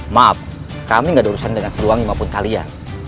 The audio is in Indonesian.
maaf kami tidak ada urusan dengan siliwangi maupun kalian